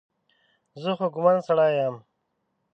زه خوږمن سړی یم.